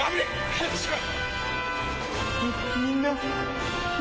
早くしろ！